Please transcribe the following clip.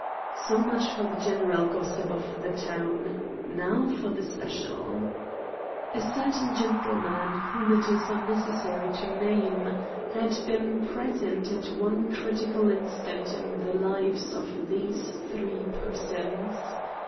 So much for the general gossip of the town. Now for the special. A certain gentleman, whom it is unnecessary to name, had been present at one critical instant in the lives of these three persons.